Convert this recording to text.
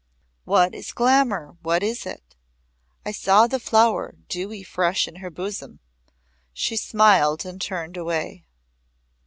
Was it glamour? What was it? I saw the flower dewy fresh in her bosom She smiled and turned away.